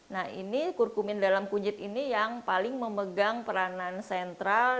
nah ini kurkumin dalam kunyit ini yang paling memegang peranan sentral